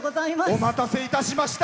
お待たせいたしました。